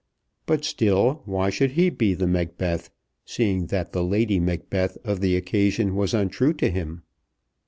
But still why should he be the Macbeth, seeing that the Lady Macbeth of the occasion was untrue to him?